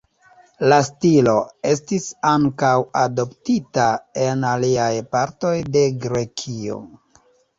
La stilo estis ankaŭ adoptita en aliaj partoj de Grekio.